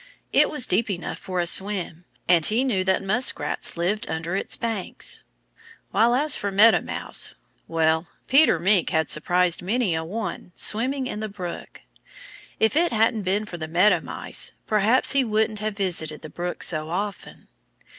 It was deep enough for a swim. And he knew that muskrats lived under its banks. While as for meadow mice well, Peter Mink had surprised many a one swimming in the brook. If it hadn't been for the meadow mice perhaps he wouldn't have visited the brook so often.